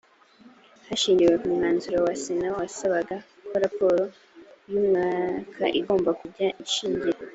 hashingiwe ku mwanzuro wa sena wasabaga ko raporo y umwaka igomba kujya ishingira